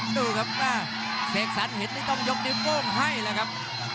ดูครับเสกสรรเห็นนี่ต้องยกนิ้วโป้งให้เลยครับ